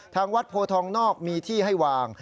ทางวัดโพทองนอกมีที่ให้วาง